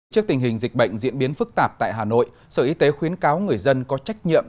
trước tình hình dịch bệnh diễn biến phức tạp tại hà nội sở y tế khuyến cáo người dân có trách nhiệm